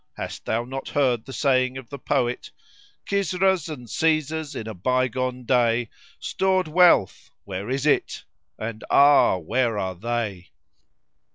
Hast thou not heard the saying of the poet, 'Kisras and Caesars in a bygone day * Stored wealth; where is it, and ah! where are they?'